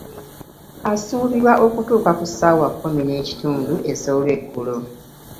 Asuubirwa okutuuka ku ssaawa kkumi n'ekitundu ez'olweggulo